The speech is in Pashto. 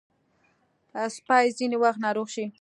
سپي ځینې وخت ناروغ شي.